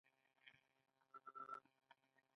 آیا د ولایتونو ترمنځ سوداګري نه کیږي؟